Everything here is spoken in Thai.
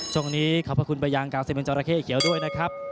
ช่องนี้ขอบคุณบะยาง๙๑เจ้าระเข้เขียวด้วยนะครับ